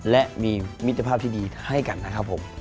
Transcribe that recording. และมีมิตรภาพที่ดีให้กันนะครับผม